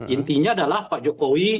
intinya adalah pak jokowi